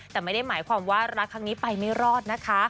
แต่ไม่ได้หมายความว่ารักครั้งนี้ไปไม่รอดนะคะ